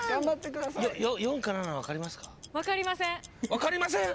「分かりません」！？